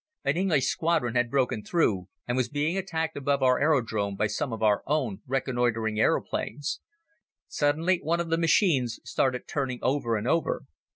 An English squadron had broken through and was being attacked above our aerodrome by some of our own reconnoitering aeroplanes. Suddenly one of the machines started turning over and over.